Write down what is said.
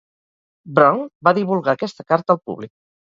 Browne va divulgar aquesta carta al públic.